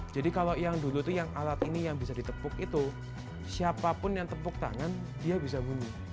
jadi kalau yang dulu itu yang alat ini yang bisa ditepuk itu siapapun yang tepuk tangan dia bisa bunyi